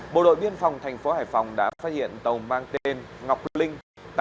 bộ đội biên phòng thành phố hải phòng đã phát hiện tàu mang tên ngọc linh tám mươi năm